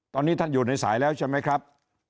ตอนนี้ท่านอยู่ในสายแล้วใช่ไหมครับ